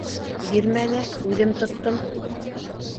Бирмәне, үҙем тоттом.